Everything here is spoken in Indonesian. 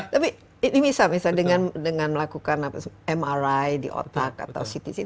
tapi ini bisa dengan melakukan mri di otak atau ct c